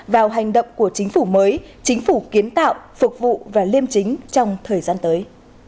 vào hành động của chính phủ mới chính phủ kiến tạo phục vụ và liêm chính trong thời gian tới